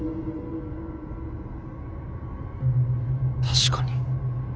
確かに。